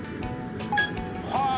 はあ！